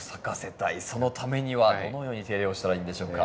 そのためにはどのように手入れをしたらいいんでしょうか？